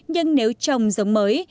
nhưng nếu trồng giống mới